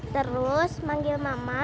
terus manggil mama